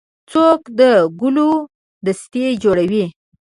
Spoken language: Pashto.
څوک د ګلو دستې جوړوي.